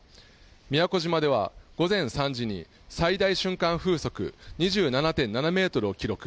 宮古島では、午前３時に最大瞬間風速２７．７ｍを記録。